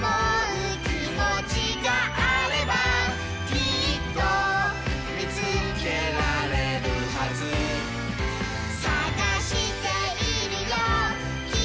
「きっとみつけられるはず」「さがしているよキミのいばしょを」